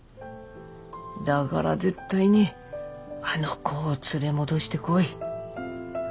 だがら絶対にあの子を連れ戻してこい。